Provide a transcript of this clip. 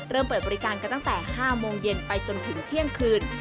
เริ่มเปิดบริการกันตั้งแต่๕โมงเย็นไปจนถึงเที่ยงคืน